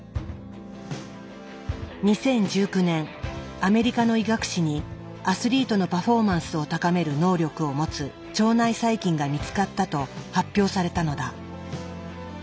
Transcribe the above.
２０１９年アメリカの医学誌にアスリートのパフォーマンスを高める能力を持つ腸内細菌が見つかったと発表されたのだ。